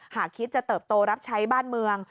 หากคิดจะเติบโตรับใช้บ้านเมือง